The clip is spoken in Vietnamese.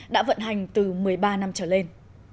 đã vận hành từ một mươi ba năm trở lên